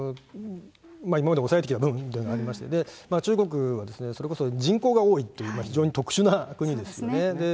今まで抑えてきた分というのがありまして、中国はそれこそ人口が多いという、非常に特殊な国ですよね。